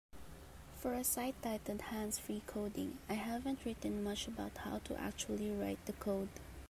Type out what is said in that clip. For a site titled Hands-Free Coding, I haven't written much about How To Actually Write The Code.